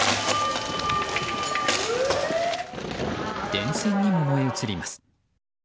電線にも燃え移ります。